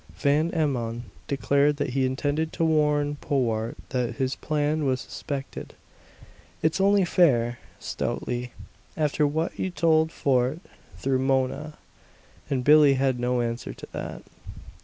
Van Emmon declared that he intended to warn Powart that his plan was suspected. "It's only fair," stoutly, "after what you told Fort, through Mona." And Billie had no answer to that.